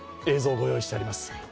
映像をご用意してあります。